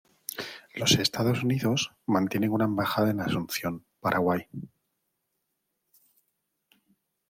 Los Estados Unidos mantienen una embajada en Asunción, Paraguay.